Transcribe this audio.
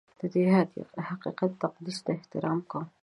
د دې حقیقت تقدس ته احترام کوي.